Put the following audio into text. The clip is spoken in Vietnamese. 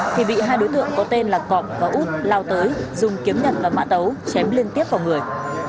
thì bị hai đối tượng có tên là cọp và út lao tới dùng kiếm nhật và mã tấu chém liên tiếp vào người